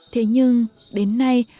thế nhưng đến nay